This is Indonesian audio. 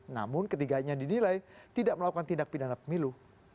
namun ketiganya didilai tidak melakukan tindak pindahan pemilu